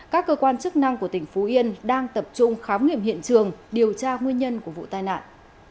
các cơ quan chức năng của tỉnh phú yên đang tập trung khám nghiệm hiện trường điều tra nguyên nhân của vụ tai nạn